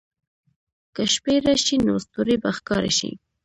که شپې راشي، نو ستوري به ښکاره شي.